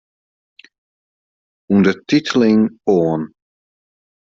Undertiteling oan.